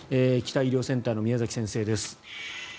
北医療センターの宮崎先生です。